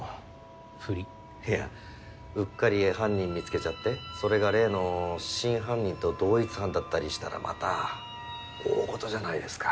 いやうっかり犯人見つけちゃってそれが例の真犯人と同一犯だったりしたらまた大ごとじゃないですか。